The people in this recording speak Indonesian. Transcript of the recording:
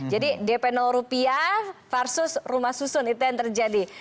jadi dp rupiah versus rumah susun itu yang terjadi